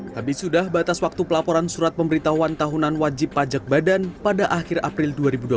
tapi sudah batas waktu pelaporan surat pemberitahuan tahunan wajib pajak badan pada akhir april dua ribu dua puluh